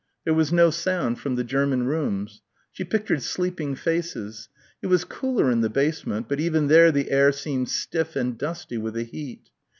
There was no sound from the German rooms. She pictured sleeping faces. It was cooler in the basement but even there the air seemed stiff and dusty with the heat.